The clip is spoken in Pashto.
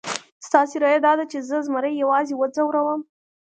ستاسې رایه داده چې زه زمري یوازې وځوروم؟